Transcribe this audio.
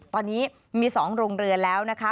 ตอนนี้มี๒โรงเรือนแล้วนะคะ